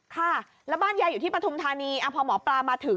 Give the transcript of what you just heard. ค่ะแล้วบ้านยายอยู่ที่ปฐุมธานีพอหมอปลามาถึง